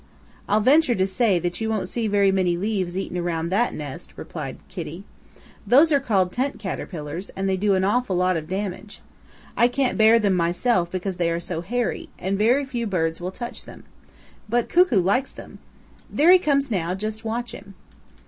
"I'll venture to say that you won't see very many leaves eaten around that nest," replied Kitty. "Those are called tent caterpillars, and they do an awful lot of damage. I can't bear them myself because they are so hairy, and very few birds will touch them. But Cuckoo likes them. There he comes now; just watch him."